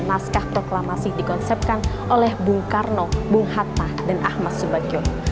naskah proklamasi dikonsepkan oleh bung karno bung hatta dan ahmad subagio